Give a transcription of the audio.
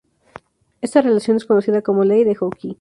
Esta relación es conocida como Ley de Hooke.